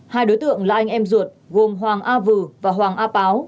hai đối tượng là anh em ruột gồm hoàng a vừ và hoàng a báo